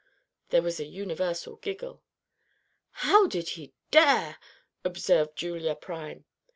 '" There was a universal giggle. "How did he dare?" observed Julia Prime.